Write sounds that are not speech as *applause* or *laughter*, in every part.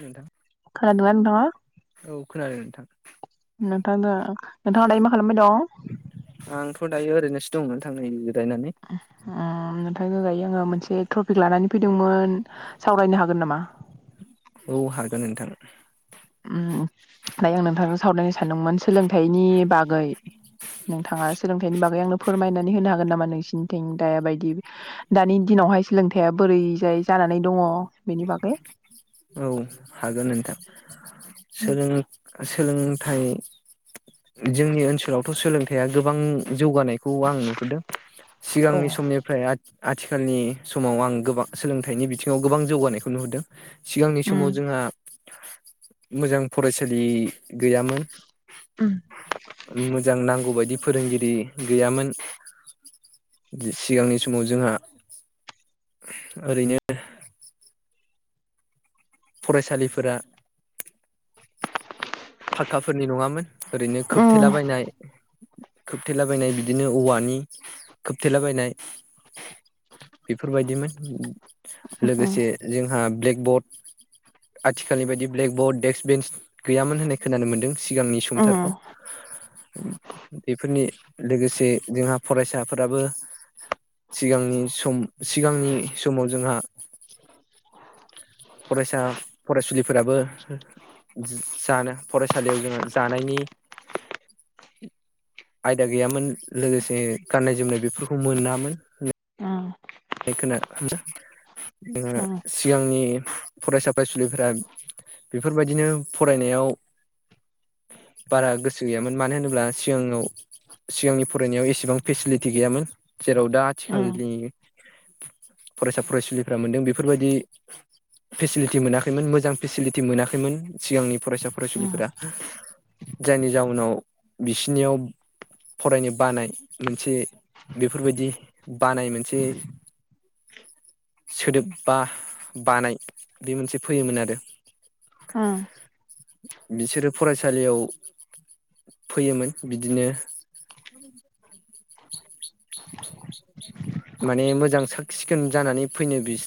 नोंथां खोनादोंना नोंथांआ? औ खोनादों नोंथां। नोंथां दा नोंथाङा दायो मा खालामबाय दं? आंथ' दायो ओरैनोसो दंमोन नोंथां नै जिरायनानै *unintelligible* नोंथांजों दायो आङो मोनसे टपिक लानानै फैदोंमोन सावरायनो हागोन नामा‌ औ हागोन नोंथां। दायो आं नोंथांजों सावरायनो सानदोंमोन सोलोंथाइनि बागै नोंथाङा सोलोंथाइनि बागै आंनो फोरमायनानै होनो हागोन नामा नोंसिनिथिं दा बायदि दानि दिनावहाय सोलोंथाइआ बोरैजाय जानानै दङ बेनि बागै औ हागोन नोंथां उम सोलों सोलोंथाइ जोंनि ओनसोलावथ' सोलोंथाइ गोबां जौगानायखौ आं नुहुरदों सिगांनि समनिफ्राय आथिखालनि समाव आं गोबां सोलोंथाय थाइनि बिथिङाव गोबां जौगानायखौ नुहदों। सिगांनि उम समाव जोंहा मोजां फरायसालि गैयामोन। उम मोजां नां नांगौबायदि फोरोंगिरि गैयामोन सिगांनि समाव जोंहा ओरैनो फरायसालिफोरा फाक्काफोरनि नङामोन। ओरैनो उम उम खोबथेलाबायनाय खोबथेला बायनाय बिदिनो औवानि खोबथेला बायनाय बेफोर बायदिमोन लोगोसे जोंहा ब्लेकबर्ड आथिखालनि बायदि ब्लेकबर्ड, डेस्क, बेन्स गैयामोन होननाय खोनानो मोन्दों। सिगांनि उम समथाराव बेफोरनि लोगोसे जोंहा फरायसाफोराबो सिगांनि सम सिगांनि समाव जोंहा फरायसा फरायसुलिफोराबो जानो फरायसालियाव जोंहा जानायनि आयदा गैयामोन लोगोसे गाननाय जोमनाय बेफोरखौ मोनामोन। उम *inaudible* सिगांनि फरायसा फरायसुलिफोरा बेफोर बायदिनो फरायनायाव बारा गोसो गैयामोन मानो होनोब्ला सिगाङाव सिगांनि फरायनायाव एसेबां फेसिलिटि गैयामोन जेराव दा उम आथिखालनि फरायसा फरायसुलिफोरा मोनदों बेफोर बायदि फेसिलिटि मोनाखैमोन मोजां फेसिलिटि मोनाखैमोन सिगांनि फरायसा उम फरायसुलिफोरा जायनि जाउनाव बिसिनियाव फरायनो बानाय मोनसे बेफोर बायदि बानाय मोनसे सोदोब बा बानाय बे मोनसे फैयोमोन आरो। उम बिसोरो फरायसालियाव फैयोमोन बिदिनो माने मोजां साख सिखोन जानानै फैनो बिस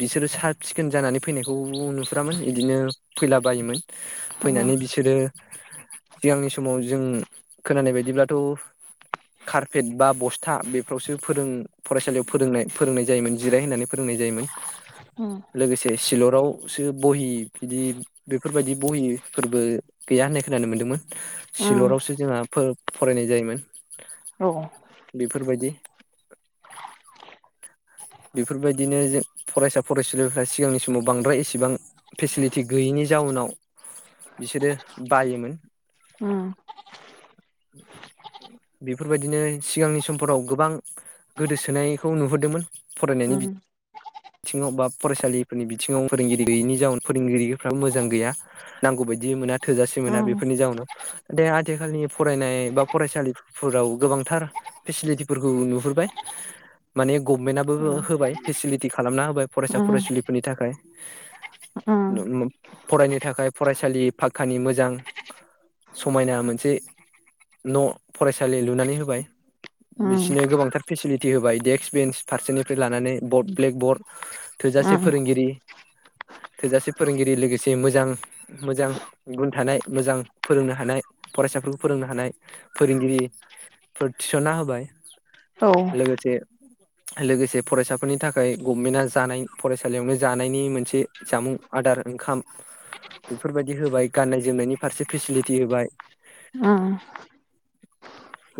बिसोरो साब सिखोन जानानै फैनायखौ नुफुरामोन बिदिनो फैलाबायायोमोन फैनानै बिसोरो सिगांनि समाव जों खोनानाय बायदिब्लाथ' कारपेट बा बस्था बेफ्रावसो फोरों फरायसालियाव फोरोंनाय फोरोंनाय जायोमोन जिराय होननानै फोरोंनाय जायोमोन। उम ए सिलरावसो बहि बिदि बेफोरबायदि बहि फोरबो गैया होननाय खोनानो मोन्दोंमोन। सिलरावसो जोंङा फोरो फरायनाय जायोमोन बेफोरबायदि बेफोरबायदिनो जों फरायसा फरायसुलिफ्रा सिगांनि समाव बांद्राय एसेबां फेसिलिटि गैयैनि जाउनाव बिसोरो बायोमोन उम उम बेफोरबायदिनो सिगांनि समफोराव गोबां गोदोसोनायखौ नुबोदोंमोन फरायनायनि उम बिद थिङाव बा फरायसालिफोरनि बिथिङाव फोरोंगिरि गैयिनि जाउनाव फोरोंगिरिफ्राबो मोजां गैया नांगौ बायदि मोना थोजासे मोना उम बेफोरनि जाउनाव दे आथिखालनि फरायनाय बा फरायसालिफोराव गोबांथार फेसिलिटिफोरखौ नुहुरबाय माने गभमेन्टआबो उम होबाय फेसिलि थि खालामना होबाय फरायसा उम फरायसुलिफोरनि थाखाय उम फरायनो थाखाय फरायसालि फाखकानि मोजां समायना मोनसे न' फरायसालि लुनानै होबाय उम बिसोरनो गोबांथार फेसिलिटि होबाय डेक्स बेन्स फारसेनिफ्राय लानानै बर्ड ब्लेकबर्ड थोजासे उम फोरोंगिरि थोजासे फोरोंगिरि लोगोसे मोजां मोजां गुन थानाय मोजां फोरोंनो हानाय फरायसाफोरखौ फोरोंनो हानाय फोरोंगिरिफोर थिसनना होबाय। औ लोगोसे लोगोसे फरायसाफोरनि थाख खाय गभमेन्टआ जानाय फरायसालियावनो जानायनि मोनसे जामुं आदार ओंखाम बेफोरबायदि होबाय गाननाय जोमनायनि फारसे फेसिलिटि होबाय उम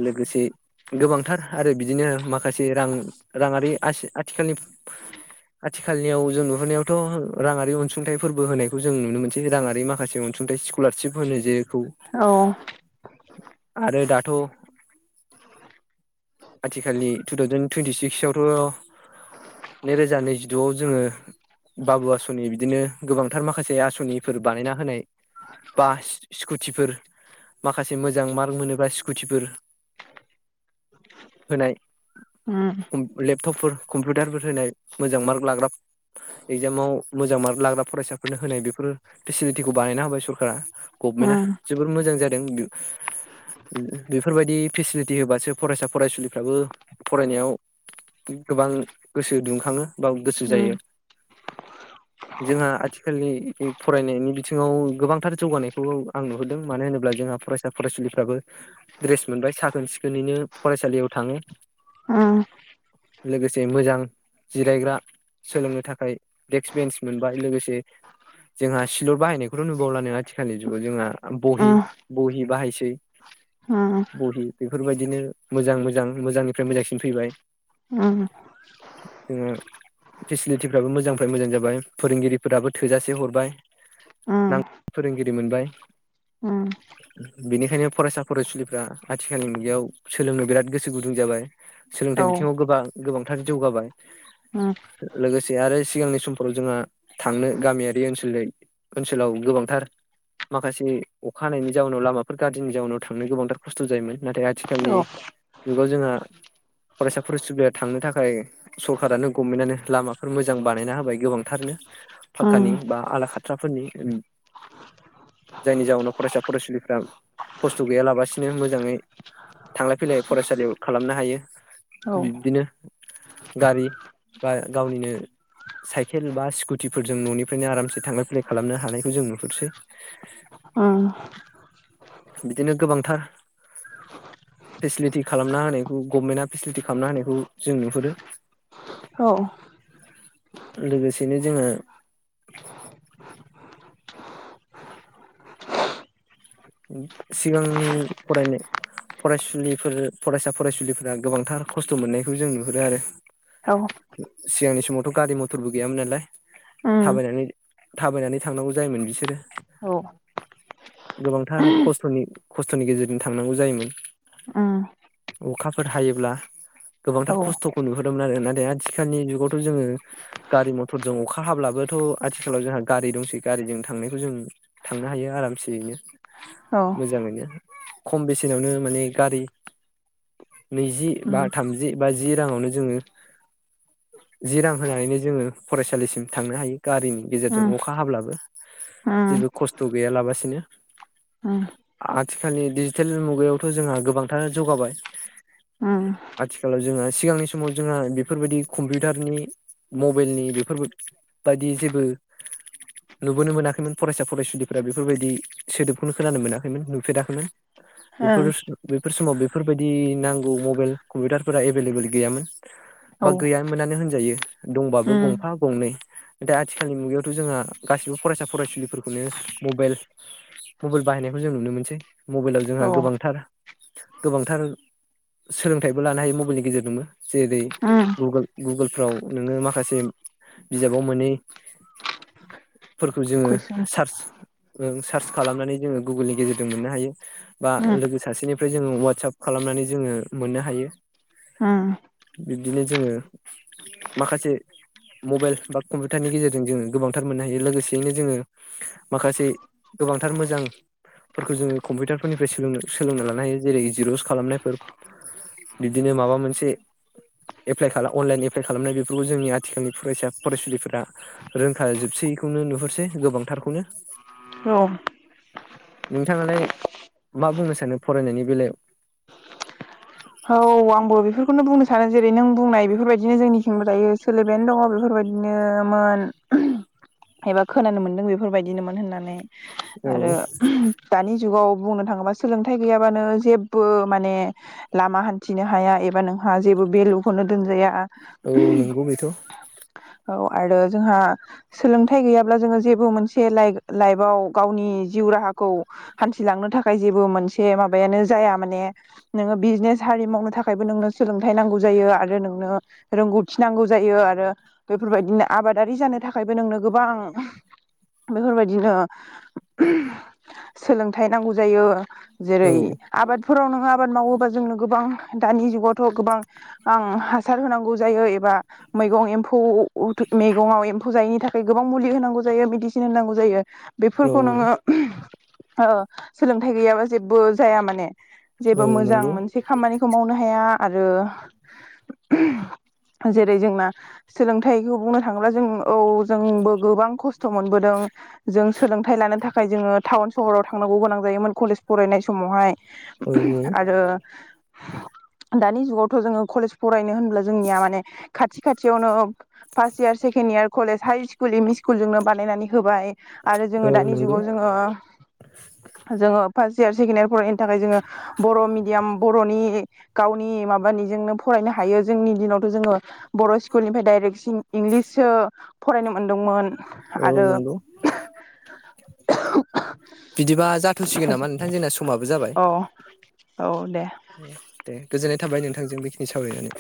लोगोसे गोबांथार आरो बिदिनो माखासे रां राङारि आस-आथिखालनि आथिखालनियाव जों नुहुरनायावथ' राङारि अनसुंथाइ फोरबो होनायखौ जों नुनो मोनसै राङारि माखासे अनसुंथाइ स्कलारशिप होनो जेखौ औ आरो दाथ' आथिखालनि टु थावजेेन टुइन्टि सिक्सवथ' नैरोजा नैजिद'आव जोङो बाबु आसनि बिदिनो गोबांथार माखासे आसनिफोर बानायना होनाय बा स्कुटिफोर माखासे मोजां मार्क मोनोब्ला स्कुटिफोर होनाय उम लेपटपफोर कम्पिउटारफोर होनाय मोजां मार्क लाग्रा इगजामाव मोजां मार्क लाग्रा फरायसाफोरनो होनाय बेफोर फेसिलिटिखौ बानायना होबाय सरकारा गभमेन्टआ उम जोबोर मोजां जादों बेफोरबायदि फेसिलिटि होबासो फरायसा फरायसुलिफ्राबो फरायनायाव गोबां गोसो दुंखाङो बा गोसो उम जायो जोंहा आथिखालनि फरायनायनि बिथिङाव गोबांथार जौगानायखौ आं नुहुरदों मानो होनोब्ला जोंहा फरायसा फरायसुलिफ्राबो दड्रेस मोनबाय साखोन सिखोनैनो फरायसालियाव थाङो लोगोसे मोजां जिरायग्रा सोलोंनो थाखाय देक्स बेन्स मोनबाय लोगोसे जोंहा सिलर बाहायनायखौथ' नुबावलानो आथिखालनि जुगाव जोंहा बहि उम बहि बाहायसै उम बहि बेफोरबायदिनो मोजां मोजां मोजांनिफ्राय मोजांसिन फैबाय उम जोङो फेसिलिटिफ्राबो मोजांनि मोजां जाबाय फोरोंगिरिफोराबो थोजासे हरबाय उम नांगौ फोरोंगिरि मोनबाय उम बेनिखायनो फरायसा फरायसुलिफ्रा आथिखालनि मुगायाव सोलोंनो बिराद गोसो गुदुं जाबाय औ सोलोंथाइ उम बिथिङाव गोबां गोबांथार जौगाबाय औ लोगोसे आरो सिगांनि समफोराव जोंहा थांनो गामियारि ओनसोल ओनसोलाव गोबांथार माखासे अखा हानायनि जाउनाव लामाफोर गाज्रिनि जाउनाव थांनो गोबांथार खस्थ' जायोमोन नाथाय आथिखालनि औ जुगाव जोंहा फरायसा फरायसुलिया थांनो थाखा ओमफ्राय सरखारारानो गभमेन्टनो लामाफोर मोजां बानायना होबाय गोबांथारनो फाखक्कानि उम बा आला खाथ्राफोरनि जायनि जाउनाव फरायसा फरायसुलिफ्रा खस्थ' गैयालाबसिनो मोजाङै थांलाय फैलाय फरायसालियाव खालामनो हायो औ उम औ बिब्दिनो गारि बा गावनिनो साइकेल बा स्कुटिफोरजों न'निफ्रायनो आरामसे थांलाय फैलाय खालामनो हानायखौ जों नुहुरसै ओम बिदिनो गोबांथार फेसिलिटि खालामना होनायखौ गभमेन्टआ फेसिलिटि खालामना होनायखौ जों नुहुरो औ लोगोसेनो जोङो सिगांनि फरायनाय फरायसुलिफोर फरायसा फरायसुलिफोरा गोबांथार खस्थ' मोननायखौ जों नुहुरो आरो सिगांनि समावथ' गारि मथरबो गैयामोन नालाय उम थाबायनानै थाबायनानै थांनांगौ जायोमोन बिसोरो गोबांथार खस्थ'नि खस्थ'नि गेजेरजों थांनांगौ जायोमोन अखाफोर हायोब्ला गोबांथार खस्थ'खौ नुहरोमोन आरो नाथाय आथिखालनि जुगावथ' जोङो गारि मथरजों अखा हाब्लाबोथ' आथिखालाव जोंहा गारि दंसै गारिजों थांनायखौ जों थांनो हायो आरामसेयैनो मोजांङैनो खम बेसेनावनो माने गारि नैजि बा थामजि बा जि राङावनो जोङो जि रां होनानैनो जोङो फरायसालिसिम थांनो हायो गारिनि गेजेरजों अखा हाब्लाबो जेबो खस्थ गैयालाबासिनो उम उम आथिखालनि डिजिटेल मुगायावथ जोंहा गोबांथार जौगाबाय उम आथिखालाव जोंहा सिगांनि समाव जोंहा बेफोरबायदि कम्पिउटारनि मबाइलनि बेफोरबायायदि जेबो नुबोनो मोनाखैमोन फरायसा फरायसुलिफोरा बेफोरबायदि सोदोबखौनो खोनानो मोनाखैमोन नुफेराखैमोन बेफोर *unintelligible* बेफोर समाव बेफोरबायदि नांगौ मबाइल कम्पिउटारफोरा एभेलेबोेल गैयामोन ओ बा औ गैया मोनानो हो जायो दंबाबो उम गंफा गंनै दा आथिखालनि मुगायावथ जोंहा गासिबो फरायसा फरायसुलिफोरखौनो मबाइल मबाइल बाहायनायखौ जों नुनो मोनसै मबाइलाव जोंहा औ गोबांथार गोबांथार सोलोंथाइबो लानो हायो मबाइलनि गेजेरजोंबो जेरै उम गुगोल गुगोलफ्राव नोङो माखासे बिजाबाव मोनै फोरखौ जोङो खुइसन सार्च जों सार्स खालामनानै जोङो गुगोलनि गेजेरजों मोननो हायो बा उम लोगो सासेनिफ्राय जोङो वाटसाप खालामनानै जोङो मोननो हायो उम बिब्दिनो जोङो माखासे मबाइल बा कम्पिउटारनि गेजेरजों जोङो गोबांथार मोननो हायो लोगोसेयैनो जोङो माखासे गोबांथार मोजांफोरखौ जोङो कम्पिउटारफोरनिफ्राय सोलों सोलोंना लानो हायो जेरै जिरस खालामनायफोर बिदिनो माबा मोनसे एप्लाइ खालाम अनलाइन एप्लाइ खालामनाय बेफोरखौ जोंनि आथिखालनि फरायसा फरायसुलिफोरा रोंखा जोबसैखौनो नुहरसै गोबांथारखौनो औ नोंथांङालाय मा बुंनो सानो फरायनायनि बेलायाव औ आंबो बेफोरखौनो बुंनो सानो जेरै नों बुंनाय बेफोरबायदिनो जोंनिखिनिबो दायो सोलिबायानो दङ बेफोरबायदिनोमोन एबा खोनानो मोन्दों बेफोरबायदिनोमोन होननानै औ आरो दानि जुगाव बुंनो थांङोबा सोलोंथाइ गैयाबानो जेब्बो माने लामा हान्थिनो हाया एबा नोंहा जेबो बेलुखौनो दोनजाया औ नंगौ बेथ औ आरो जोंहा सोलोंथाइ गैयाब्ला जोङो जेबो मोनसे लाइ लाइफआव गावनि जिउ राहाखौ हान्थिलांनो थाखाय जेबो मोनसे माबायानो जाया माने नोङो बिजनेस हारि मावनो थाखायबो नोंनो सोलोंथाइ नांगौ जायो आरो नोंनो रोंगौथि नांगौ जायो आरो बेफोरबायदिनो आबादारि जानो थाखायबो नोंनो गोबां बेफोरबायदिनो सोलोंथाइ नांगौ जायो जेरै औ आबादफोराव नोङो आबाद मावोबा गोबां दानि जुगावथ गोबां हासार होनांगौ जायो एबा मैगं एम्फौ मैगंआव एम्फौ जायैनि थाखाय गोबां मुलि होनांगौ जायो मेडिसिन होनांगौ जायो औ बेफोरखौ नोङो सोलोंथाइ गैयाबा जेबो जाया माने जेबो औ मोजां नंगौ मोनसे खामानिखौ मावनो हाया आरो जेरै जोंना सोलोंथाइखौ बुंनो थाङोब्ला जों औ जोंबो गोबां खस्थ खस्थ मोनबोदों जों सोलोंथाइ लानो थाखाय थाखाय जोङो टाउन सहराव थांनांगौ गोनां जायोमोन कलेज फरायनाय समावहाय औ आरो दानि जुगावथ जोङो कलेज फरायनो होनब्ला जोंनिया माने खाथि खाथियावनो first year second year college high school M E school जोंनो बानायनानै होबाय आरो जोङो औ दानि नंगौ जुगाव जोङो जोङो फार्स्ट इयार, सेकेण्ड इयार फरायनो थाखाय जोङो बर' मिडियाम बर'नि गावनि माबानिजोंनो फरायनो हायो जोंनि दिनावथ' जोङो बर' स्कुलनिफ्राय डाइरेक्सिन इंलिससो फरायनो मोनदोंमोन। औ आरो नंगौ, बिदिबा जाथ'सिगोन नामा नोंथां? जोंना समाबो जाबाय। औ औ दे। औ दे, गोजोननाय थाबाय नोंथां जों बेखिनि सावरायनानै।